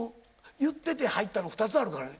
言ってて入ったの２つあるからね。